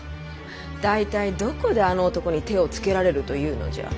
大体どこであの男に手をつけられるというのじゃ。